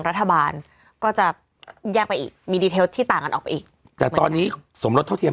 รัฐบาลก็จะแยกไปอีกมีดีเทลที่ต่างกันออกไปอีกแต่ตอนนี้สมรสเท่าเทียม